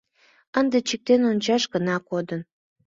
Ынде чиктен ончаш гына кодын.